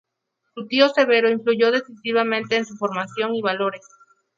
Su tío Severo influyó decisivamente en su formación y valores.